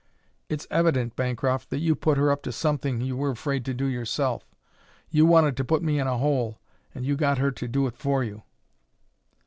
"It's evident, Bancroft, that you put her up to something you were afraid to do yourself. You wanted to put me in a hole, and you got her to do it for you."